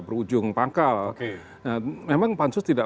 berujung pangkal memang pansus tidak